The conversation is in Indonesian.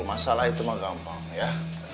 masalah itu mah gampang ya